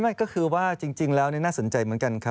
ไม่ก็คือว่าจริงแล้วนี่น่าสนใจเหมือนกันครับ